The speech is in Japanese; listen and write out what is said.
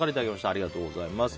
ありがとうございます。